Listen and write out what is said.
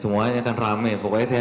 semuanya kan rame pokoknya saya